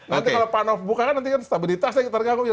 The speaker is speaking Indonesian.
nanti kalau panof buka kan stabilitasnya terganggu